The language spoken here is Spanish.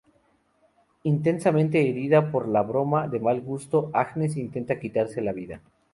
Intensamente herida por la broma de mal gusto, Agnes intenta quitarse la vida.